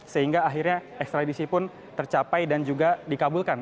sehingga akhirnya ekstradisi pun tercapai dan juga dikabulkan